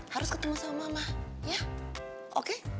harus ketemu sama mama ya oke